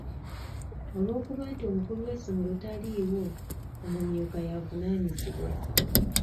Olw'okuba nti omukulu w'essomero taliiwo, omumyuka y'avunaanyizibwa.